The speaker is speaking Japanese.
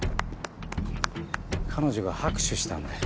彼女が拍手したんだよ。